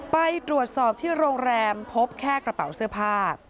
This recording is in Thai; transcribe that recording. ไปตรวจสอบที่โรงแรมพบแค่กระเป๋าเสื้อผ้า